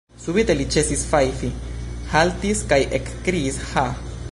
Subite li ĉesis fajfi, haltis kaj ekkriis: ha!